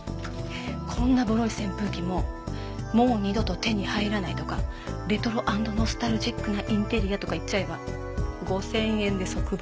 こんなボロい扇風機も「もう二度と手に入らない！」とか「レトロ＆ノスタルジックなインテリア」とか言っちゃえば５０００円で即売。